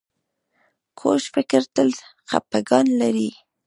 کوږ فکر تل خپګان لري